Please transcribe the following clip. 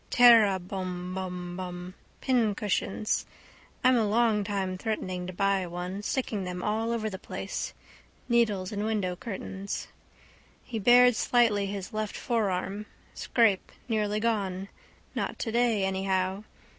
Tara: bom bom bom. Pincushions. I'm a long time threatening to buy one. Sticking them all over the place. Needles in window curtains. He bared slightly his left forearm. Scrape: nearly gone. Not today anyhow.